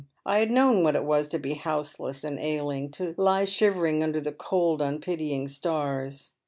I had known what it was to be houseless and ailing, to lie shiver ing under the cold unpitying stars.